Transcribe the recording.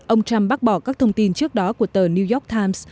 ông trump bác bỏ các thông tin trước đó của tờ new york times